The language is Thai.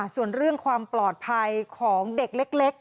ส่วนเรื่องความปลอดภัยของเด็กเล็ก